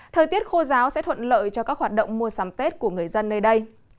thời tiết khô giáo sẽ thuận lợi cho các hoạt động mua sắm tết của người dân nơi đây